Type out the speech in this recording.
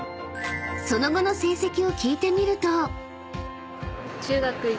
［その後の成績を聞いてみると］